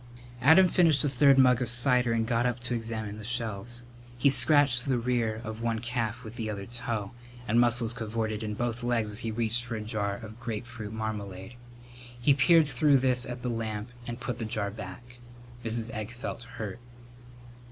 Adam finished a third mug of cider and got up to examine the shelves. He scratched the rear of one calf with the other toe, and muscles cavorted in both legs as he reached for a jar of grapefruit marmalade. He peered through this at the lamp and put the jar back. Mrs. Egg felt hurt.